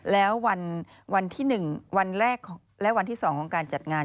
แล้ววันที่๑วันแรกและวันที่๒ของการจัดงาน